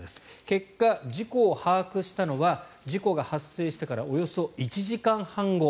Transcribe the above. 結果、事故を把握したのは事故が発生してからおよそ１時間半後。